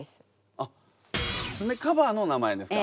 あっ爪カバーの名前ですか。